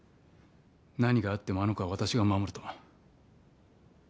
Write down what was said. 何があってもあの子は私が守ると。